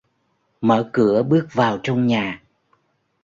Mở cửa bước vào trong nhà